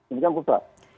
ini kan puspa